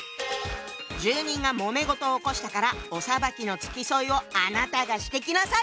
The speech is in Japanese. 住人がもめ事を起こしたからお裁きの付き添いをあなたがしてきなさい！